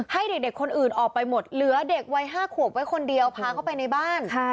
ให้เด็กคนอื่นออกไปหมดเหลือเด็กวัย๕ขวบไว้คนเดียวพาเข้าไปในบ้าน